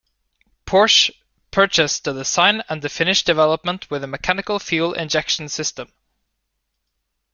Porsche purchased the design and the finished development with a mechanical fuel injection system.